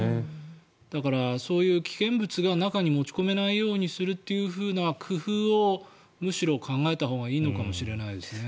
だから、そういう危険物が中に持ち込めないようにするという工夫をむしろ考えたほうがいいのかもしれないですね。